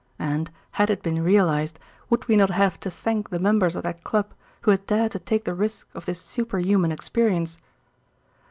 And, had it been realized, would we not have to thank the members of that club who had dared to take the risk of this super human experience?